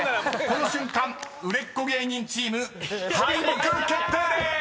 ［この瞬間売れっ子芸人チーム敗北決定でーす！］